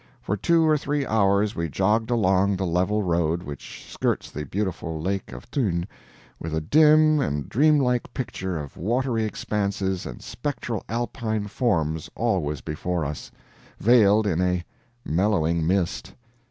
For two or three hours we jogged along the level road which skirts the beautiful lake of Thun, with a dim and dreamlike picture of watery expanses and spectral Alpine forms always before us, veiled in a mellowing mist.